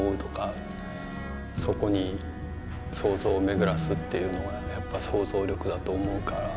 そこに想像をめぐらすっていうのはやっぱ想像力だと思うから。